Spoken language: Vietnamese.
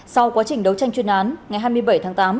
sau quá trình đấu tranh chuyên án ngày hai mươi bảy tháng tám